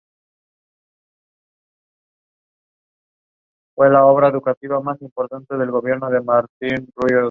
Debido a este proceso es necesario aplicar potenciales mayores a los potenciales termodinámicos.